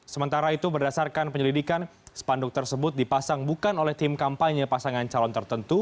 sementara itu berdasarkan penyelidikan spanduk tersebut dipasang bukan oleh tim kampanye pasangan calon tertentu